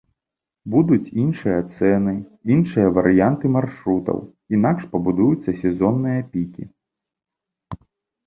Будуць іншыя цэны, іншыя варыянты маршрутаў, інакш пабудуюцца сезонныя пікі.